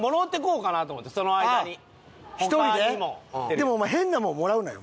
でもお前変なもんもらうなよ